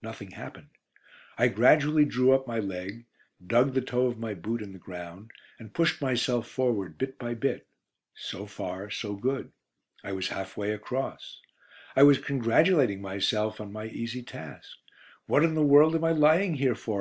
Nothing happened. I gradually drew up my leg, dug the toe of my boot in the ground, and pushed myself forward bit by bit. So far, so good: I was half way across. I was congratulating myself on my easy task. "What in the world am I lying here for?"